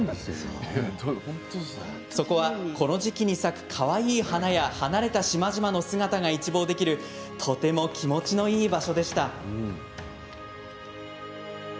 そこはこの時期に咲くかわいい花や離れた島々の姿が一望できるとても気持ちのいい場所でした。